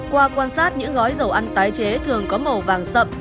qua quan sát những gói dầu ăn tái chế thường có màu vàng sậm